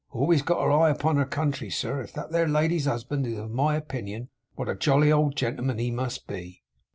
Always got her eye upon her country, sir! If that there lady's husband is of my opinion, what a jolly old gentleman he must be!